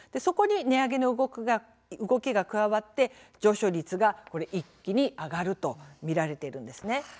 そこに値上げの動きが加わって上昇率が、一気に上がると見られているんですね。